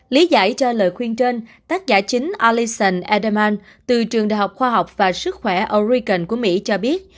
lý giải cho lời khuyên trên tác giả chính allison edelman từ trường đại học khoa học và sức khỏe oregon của mỹ cho biết